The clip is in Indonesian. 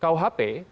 kalau kuhp dan rkuhp